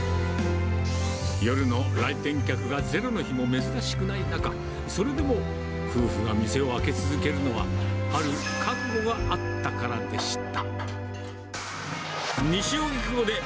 夜の来店客がゼロの日も珍しくない中、それでも夫婦が店を開け続けるのは、ある覚悟があったからでした。